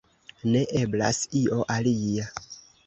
Ne eblas io alia.